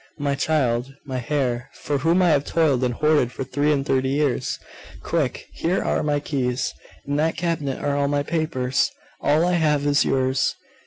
'My child, my heir, for whom I have toiled and hoarded for three and thirty years! Quick! here are my keys. In that cabinet are all my papers all I have is yours.